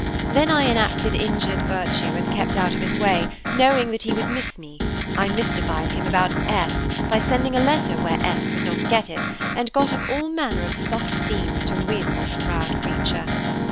Then I enacted injured virtue, and kept out of his way, knowing that he would miss me, I mystified him about S. by sending a letter where S. would not get it, and got up all manner of soft scenes to win this proud creature.